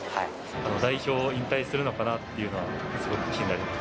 代表引退するのかなっていうのは、すごく気になります。